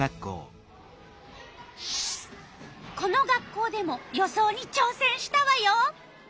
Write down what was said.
この学校でも予想にちょうせんしたわよ。